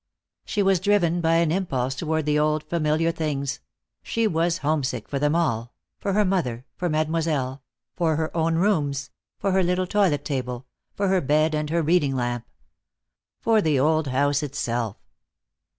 She was driven by an impulse toward the old familiar things; she was homesick for them all, for her mother, for Mademoiselle, for her own rooms, for her little toilet table, for her bed and her reading lamp. For the old house itself.